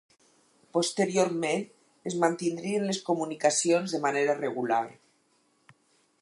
Posteriorment es mantindrien les comunicacions de manera regular.